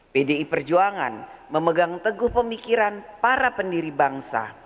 pdi perjuangan memegang teguh pemikiran para pendiri bangsa